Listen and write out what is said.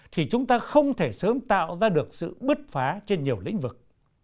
thì chúng ta không thể sớm tạo ra được sự bứt phá trên nhiều lĩnh vực